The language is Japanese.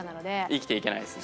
生きていけないですね。